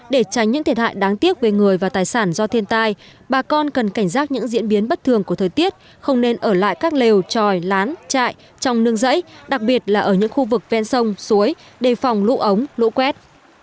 để tránh những thiệt hại đáng tiếc về người và tài sản do thiên tai bà con cần cảnh giác những diễn biến bất thường của thời tiết không nên ở lại các lều tròi lán chạy trong nương rẫy đặc biệt là ở những khu vực ven sông suối đề phòng lũ ống lũ quét